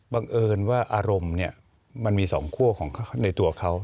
บังเอิญว่าอารมณ์เนี่ยมันมี๒คั่วของในตัวเขา